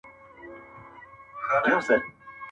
نازکبچياننازکګلونهيېدلېپاتهسي,